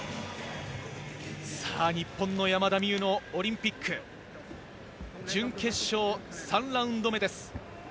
日本の山田美諭のオリンピック準決勝３ラウンド目です。